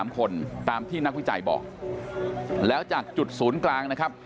๓คนตามที่นักวิจัยบอกแล้วจากจุดศูนย์กลางนะครับ